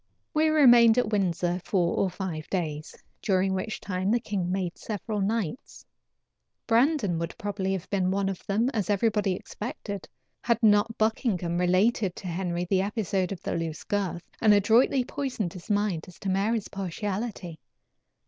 We remained at Windsor four or five days, during which time the king made several knights. Brandon would probably have been one of them, as everybody expected, had not Buckingham related to Henry the episode of the loose girth, and adroitly poisoned his mind as to Mary's partiality.